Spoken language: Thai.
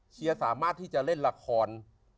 เชียร์สามารถที่จะเล่นละคร